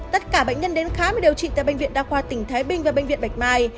tất cả bệnh nhân đến khám và điều trị tại bệnh viện đa khoa tỉnh thái bình và bệnh viện bạch mai